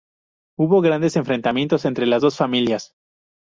Hubo grandes enfrentamientos entre las dos familias.